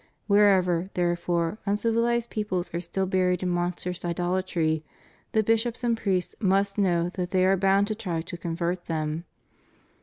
Wherever, therefore, uncivilized peoples are still buried in monstrous idolatry, the bishops and priests must know that they are bound to try to convert them.